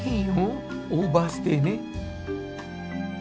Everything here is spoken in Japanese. オーバーステイね。